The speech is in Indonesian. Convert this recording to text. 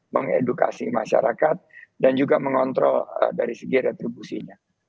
mengedukasi masyarakat dan juga mengontrol dari segi retribusinya